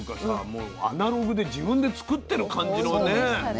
もうアナログで自分で作ってる感じのね